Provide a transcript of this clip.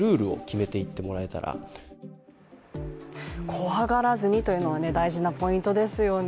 怖がらずにというのは大事なポイントですよね。